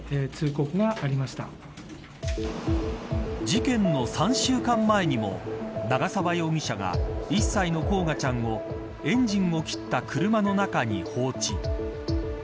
事件の３週間前にも長沢容疑者が１歳の煌翔ちゃんをエンジンを切った車の中に放置。